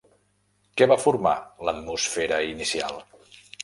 Què va formar l'atmosfera inicial?